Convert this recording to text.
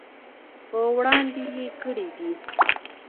په وړاندې یې کړي دي.